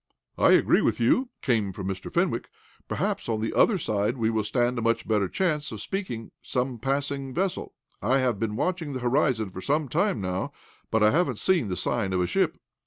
"I agree with you," came from Mr. Fenwick. "Perhaps on the other side we will stand a much better chance of speaking some passing vessel. I have been watching the horizon for some time, now, but I haven't seen the sign of a ship."